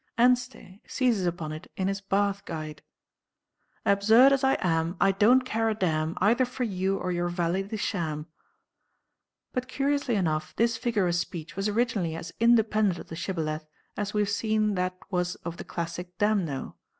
Anstey seizes upon it in his 'Bath Guide': "Absurd as I am, I don't care a damn Either for you or your valet de sham." But curiously enough this figure of speech was originally as independent of the "shibboleth" as we have seen that was of the classic "damno."